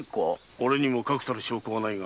俺にも確たる証拠がないが。